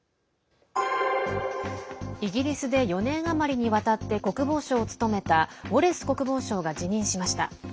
イギリスで４年余りにわたって国防相を務めたウォレス国防相が辞任しました。